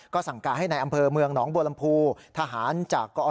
ก็สั่งการให้ในอำเภอเมืองหนองบัวลำพูทหารจากกอ